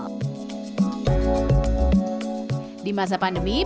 di masa pandemi penjualan makanan ini dihias meriah dengan ornamen khas natal